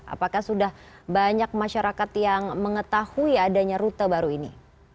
apakah sudah banyak masyarakat yang mengetahui adanya rute baru ini